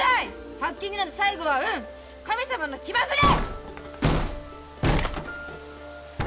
ハッキングなんて最後は運神様の気まぐれ！